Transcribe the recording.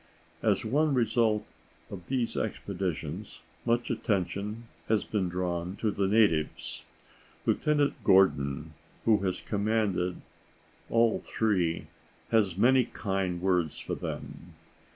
As one result of these expeditions, much attention has been drawn to the natives. Lieutenant Gordon, who has commanded all three, has many kind words for them.